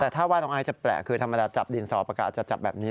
แต่ถ้าว่าน้องไอซ์จะแปลกคือธรรมดาจับดินสอประกาศจะจับแบบนี้